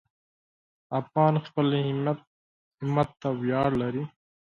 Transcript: افغان خپل همت ته ویاړ لري.